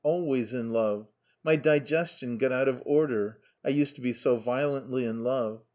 Always in love. My digestion got out of order, I used to be so violently in love.